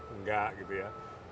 enggak gitu ya